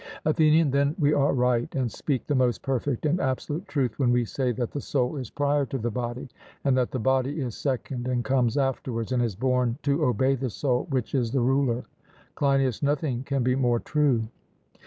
ATHENIAN: Then we are right, and speak the most perfect and absolute truth, when we say that the soul is prior to the body, and that the body is second and comes afterwards, and is born to obey the soul, which is the ruler? CLEINIAS: Nothing can be more true.